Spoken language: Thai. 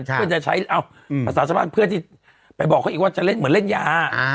เพื่อจะใช้ภาษาชาวบ้านเพื่อนที่ไปบอกเขาอีกว่าจะเล่นเหมือนเล่นยา